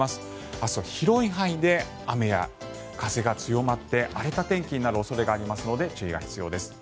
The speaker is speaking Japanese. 明日は広い範囲で雨や風が強まって荒れた天気になる恐れがありますので、注意が必要です。